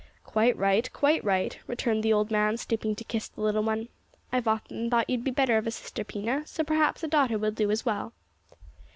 "Quite right, quite right," returned the old man, stooping to kiss the little one. "I've often thought you'd be the better of a sister, Pina, so, perhaps, a daughter will do as well."